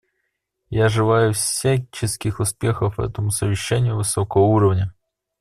Я желаю всяческих успехов этому совещанию высокого уровня.